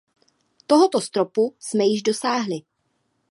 Tohoto stropu jsme již dosáhli.